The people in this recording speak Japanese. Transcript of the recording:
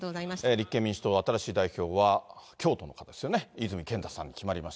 立憲民主党新しい代表は、京都の方ですよね、泉健太さんに決まりました。